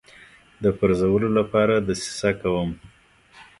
د پرزولو لپاره دسیسه کوم.